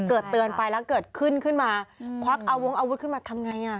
เตือนไปแล้วเกิดขึ้นขึ้นมาควักเอาวงอาวุธขึ้นมาทำไงอ่ะ